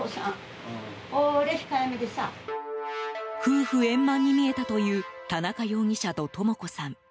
夫婦円満に見えたという田中容疑者と智子さん。